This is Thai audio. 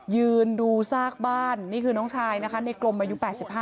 ยืนดูซากบ้านนี่คือน้องชายนะคะในกลมอายุ๘๕